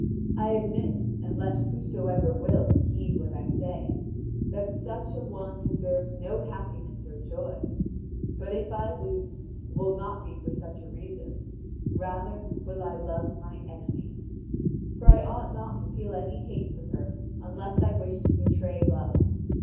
I admit (and let whosoever will, heed what I say) that such an one deserves no happiness or joy. But if I lose, it will not be for such a reason; rather will I love my enemy. For I ought not to feel any hate for her unless I wish to betray Love.